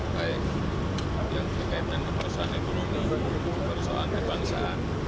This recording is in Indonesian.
baik yang terkait dengan perusahaan ekonomi perusahaan kebangsaan